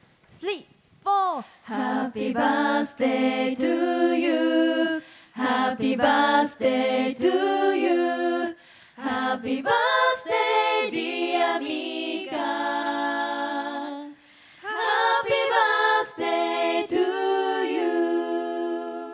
ハッピーバースデートゥーユー、ハッピーバースデートゥユー、ハッピバースデーディアミカ、ハッピーバースデートゥーユー。